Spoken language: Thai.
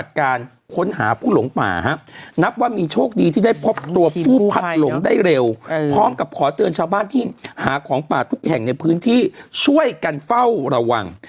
ทุกแห่งในพื้นที่ช่วยกันเฝ้าระวัง